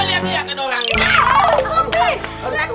lihat dia ke door yang ini